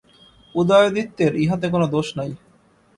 উদয়াদিত্যের ইহাতে কোন দোষ নাই।